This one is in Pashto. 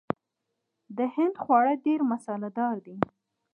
د هند خواړه ډیر مساله دار دي.